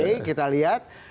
oke kita lihat